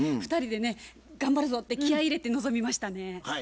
２人でね頑張るぞって気合い入れて臨みましたね。